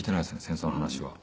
戦争の話は。